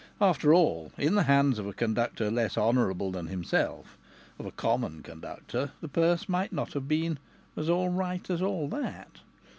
After all, in the hands of a conductor less honourable than himself, of a common conductor, the purse might not have been so "all right" as all that!